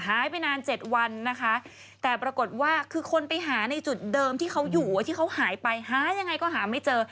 หายไปนานเจ็ดวันนะคะแต่ปรากฏว่าคือคนไปหาในจุดเดิมที่เขาอยู่ที่เขาหายไปหายังไงก็หาไม่เจอ